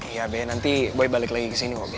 iya be nanti boy balik lagi ke sini bo be